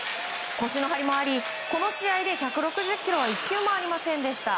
腰の張りもありこの試合で１６０キロは一球もありませんでした。